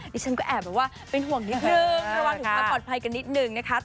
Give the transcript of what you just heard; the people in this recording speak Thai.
ดิฉันก็แอบแบบว่าเป็นห่วงนิดนึงระวังถึงความปลอดภัยกันนิดนึงนะคะ